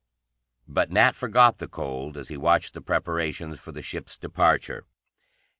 But Nat forgot the cold as he watched the preparations for the ship's departure.